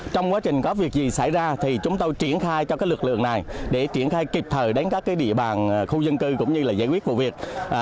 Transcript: trong quá trình có việc gì xảy ra thì chúng tôi triển khai cho lực lượng này để triển khai kịp thời đến các địa bàn khu dân cư cũng như là giải quyết vụ việc